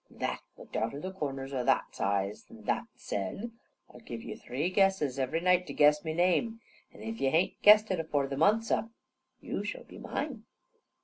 That looked out o' the corners o' that's eyes an' that said: "I'll give you three guesses every night to guess my name, an' if you hain't guessed it afore the month's up, yew shall be mine."